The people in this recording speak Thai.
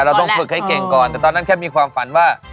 เราต้องฝึกให้เก่งก่อนแต่ตอนนั้นแค่มีความฝันว่า